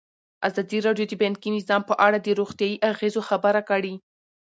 ازادي راډیو د بانکي نظام په اړه د روغتیایي اغېزو خبره کړې.